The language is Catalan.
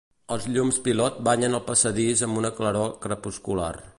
Els llums pilot banyen el passadís amb una claror crepuscular.